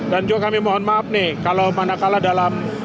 dan juga kami mohon maaf nih kalau mana mana dalam